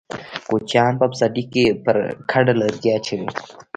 کوچيان په پسرلي کې پر کډه لرګي اچوي.